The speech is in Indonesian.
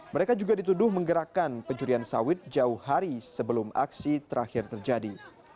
mereka juga dituduh menggerakkan pencurian sawit jauh hari sebelum aksi terakhir terjadi